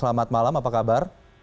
selamat malam apa kabar